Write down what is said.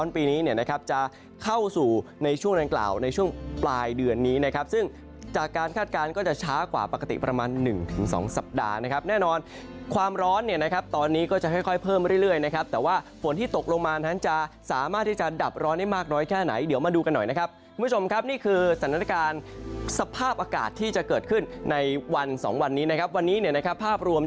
ปลายเดือนนี้นะครับซึ่งจากการคาดการณ์ก็จะช้ากว่าปกติประมาณ๑๒สัปดาห์นะครับแน่นอนความร้อนเนี่ยนะครับตอนนี้ก็จะค่อยเพิ่มเรื่อยนะครับแต่ว่าฝนที่ตกลงมานั้นจะสามารถที่จะดับร้อนได้มากน้อยแค่ไหนเดี๋ยวมาดูกันหน่อยนะครับคุณผู้ชมครับนี่คือสถานการณ์สภาพอากาศที่จะเกิดขึ้นในวัน๒วันนี้นะคร